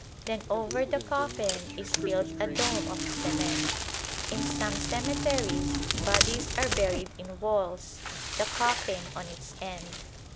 Then over the coffin is built a dome of cement. In some cemeteries bodies are buried in walls, the coffin on its end.